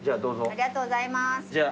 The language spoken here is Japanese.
ありがとうございます。